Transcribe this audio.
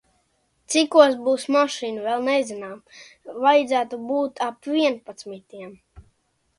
Cikos būs mašīna vēl nezinām, vajadzētu būt ap vienpadsmitiem.